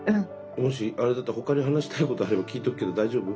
もしあれだったら他に話したいことあれば聞いとくけど大丈夫？